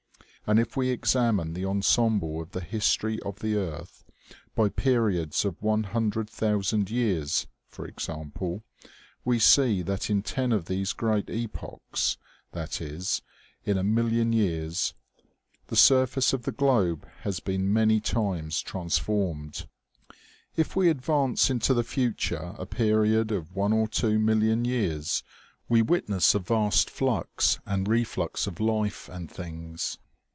And if we examine the ensemble of the history of the earth, by periods of one hundred thousand years, for exam ple, we see, that in ten of these great epochs, that is, in a million years, the surface of the globe has been many times transformed. If we advance into the future a period of one or two million years, we witness a vast flux and reflux of life and things.